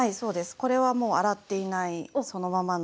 これはもう洗っていないそのままの。